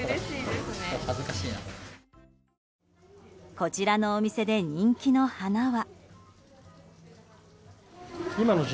こちらのお店で人気の花は。